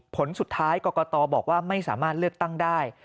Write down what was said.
ผลสุดท้ายกรกตบอกว่าไม่สามารถเลือกตั้งได้